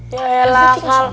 ya ya lah kak